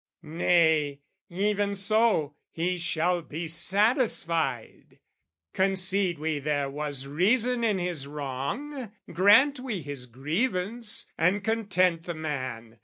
Nay, even so, he shall be satisfied! Concede we there was reason in his wrong, Grant we his grievance and content the man!